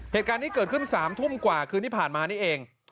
เหตุการณ์นี้เกิดขึ้น๓ทุ่มกว่าคืนที่ผ่านมานี่เอง